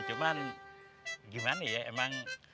cuman gimana ya emang